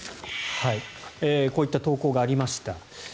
こういった投稿がありました。